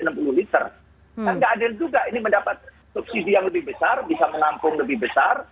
kan tidak adil juga ini mendapat subsidi yang lebih besar bisa menampung lebih besar